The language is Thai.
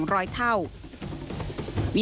วิมวลวันธรรมพักษ์ดี